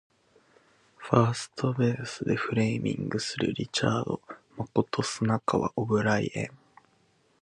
ファーストベースでフレーミングするリチャード誠砂川オブライエン